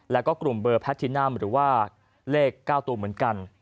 แล้วก็กลุ่มเบอร์แพทินัมหรือว่าเลข๙ตัวเหมือนกัน